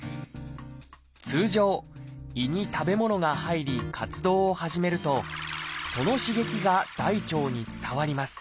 通常胃に食べ物が入り活動を始めるとその刺激が大腸に伝わります。